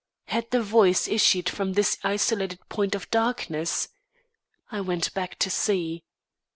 Had the voice issued from this isolated point of darkness? I went back to see.